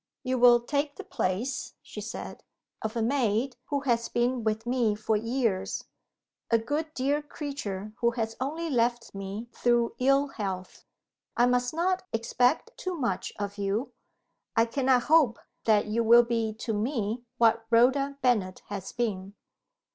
"You will take the place," she said, "of a maid who has been with me for years a good dear creature who has only left me through ill health. I must not expect too much of you; I cannot hope that you will be to me what Rhoda Bennet has been."